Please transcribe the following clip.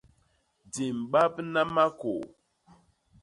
Di mbabna makôô.